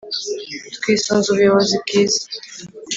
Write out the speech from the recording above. twisunze ubuyobozi bwiza